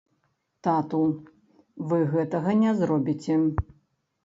Тату, вы гэтага не зробіце.